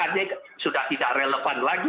artinya sudah tidak relevan lagi